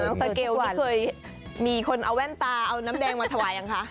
อ๋อน้องสเกลเคยมีคนเอาแว่นตาเอาน้ำเนงมาถาวายังคะ